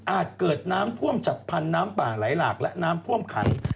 เกิดน้ำท่วมฉับพันธุ์น้ำป่าไหลหลากและน้ำท่วมขัง